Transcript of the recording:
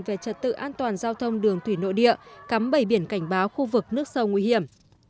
về trật tự an toàn giao thông đường thủy nội địa cắm bầy biển cảnh báo khu vực nước sâu nguy hiểm